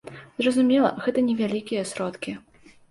Зразумела, гэта невялікія сродкі.